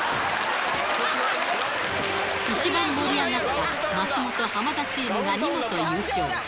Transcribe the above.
一番盛り上がった松本・浜田チームが見事優勝！